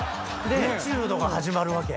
エチュードが始まるわけ？